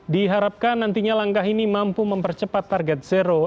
diharapkan nantinya langkah ini membangun